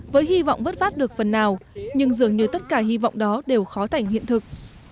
với hy vọng vớt vát được phần nào nhưng dường như tất cả hy vọng đó đều khó thành hiện thực